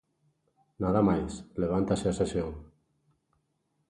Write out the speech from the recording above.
Nada máis, levántase a sesión.